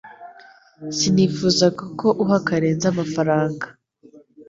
Sinifuzaga ko uha Karenzi amafaranga